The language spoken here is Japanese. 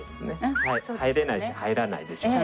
入れないし入らないでしょうね。